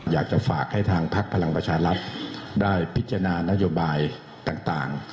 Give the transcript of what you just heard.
อยากจะฝากให้ทางพักพลังประชารัฐได้พิจารณานโยบายต่าง